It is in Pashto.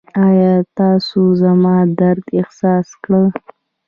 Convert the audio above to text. ایا تاسو زما درد احساس کړ؟